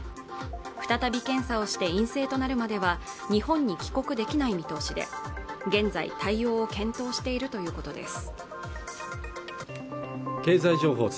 再び検査をして陰性となるまでは日本に帰国できない見通しで現在対応を検討しているということです